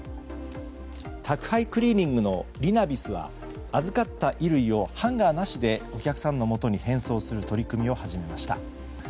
宅配クリーニングのリナビスは預かった衣類をハンガーなしでお客さんのもとに返送する取り組みを始めました。